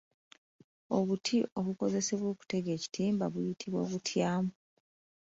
Obuti obukozesebwa okutega ekitimba buyitibwa butya?